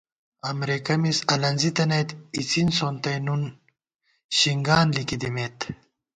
امرېکہ مِز الَنزِی تنَئیت، اِڅِن سونتَئ نُن شنگان لِکی دِمېت